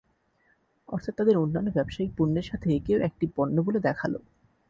অর্থাৎ তাদের অনান্য ব্যবসায়িক পণ্যের সাথে একেও একটি পণ্য বলে দেখালো।